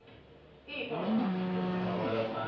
澤田さん